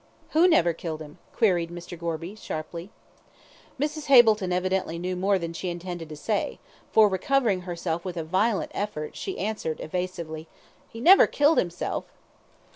"Who never killed him?" queried Mr. Gorby, sharply. Mrs. Hableton evidently knew more than she intended to say, for, recovering herself with a violent effort, she answered evasively "He never killed himself."